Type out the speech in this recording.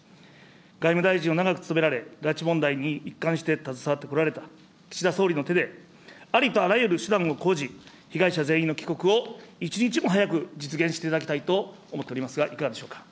外務大臣を長く務められ、拉致問題に一貫して携わってこられた岸田総理の手で、ありとあらゆる手段を講じ、被害者全員の帰国を一日も早く実現していただきたいと思っておりますが、いかがでしょ